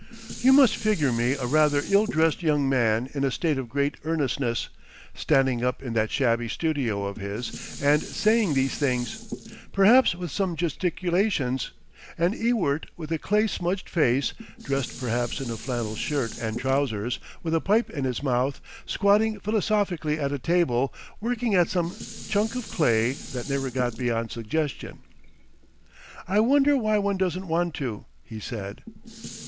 You must figure me a rather ill dressed young man in a state of great earnestness, standing up in that shabby studio of his and saying these things, perhaps with some gesticulations, and Ewart with a clay smudged face, dressed perhaps in a flannel shirt and trousers, with a pipe in his mouth, squatting philosophically at a table, working at some chunk of clay that never got beyond suggestion. "I wonder why one doesn't want to," he said.